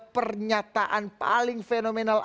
pernyataan paling fenomenal